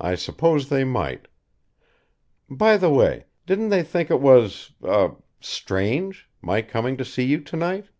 "I suppose they might. By they way, didn't they think it was er strange: my coming to see you tonight?"